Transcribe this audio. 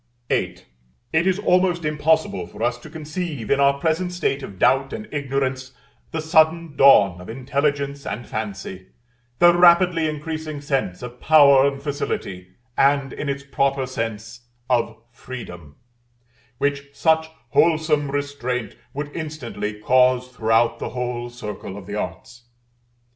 VIII. It is almost impossible for us to conceive, in our present state of doubt and ignorance, the sudden dawn of intelligence and fancy, the rapidly increasing sense of power and facility, and, in its proper sense, of Freedom, which such wholesome restraint would instantly cause throughout the whole circle of the arts.